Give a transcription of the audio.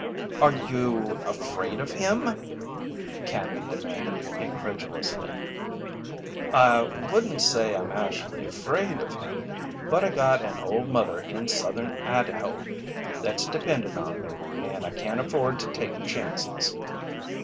"Are you afraid of him?" Canby demanded, incredulously. "I wouldn't say I'm actually afraid of him, but I got an old mother in southern Idyho that's dependin' on me and I can't afford to take chances."